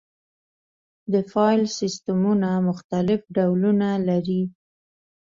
د فایل سیستمونه مختلف ډولونه لري.